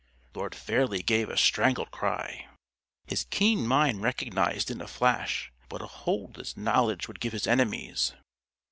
_" Lord Fairlie gave a strangled cry. His keen mind recognised in a flash what a hold this knowledge would give his enemies.